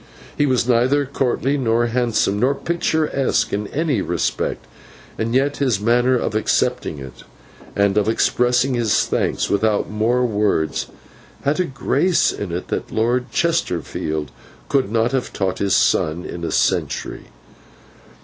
He was neither courtly, nor handsome, nor picturesque, in any respect; and yet his manner of accepting it, and of expressing his thanks without more words, had a grace in it that Lord Chesterfield could not have taught his son in a century.